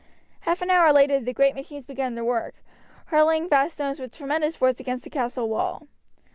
Half an hour later the great machines began to work, hurling vast stones with tremendous force against the castle wall.